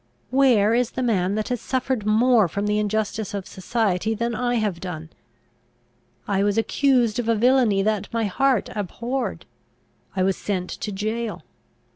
"Where is the man that has suffered more from the injustice of society than I have done? I was accused of a villainy that my heart abhorred. I was sent to jail.